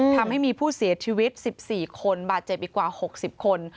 ทำให้มีผู้เสียชีวิต๑๔คนบาดเจ็บอีกกว่า๖๐คน